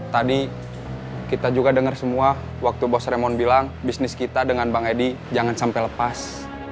tadi kita juga dengar semua waktu bos remond bilang bisnis kita dengan bang edi jangan sampai lepas